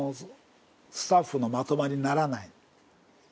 スタッフのまとまりにならない。